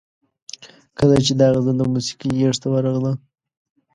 کله چې دا غزل د موسیقۍ غیږ ته ورغله.